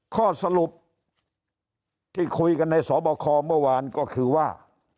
ข้อสรุปที่คุยกันในสบคเมื่อวานก็คือว่า